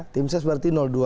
tim ses berarti dua